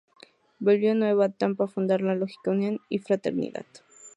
Volvió de nuevo a Tampa, a fundar la logia Unión y Fraternidad.